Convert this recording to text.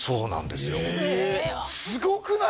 すごくない？